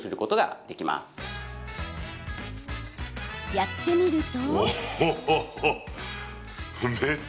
やってみると。